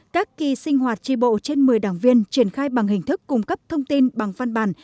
các kỳ sinh hoạt tri bộ trên một mươi đảng viên triển khai bằng hình thức cung cấp thông tin bằng văn bản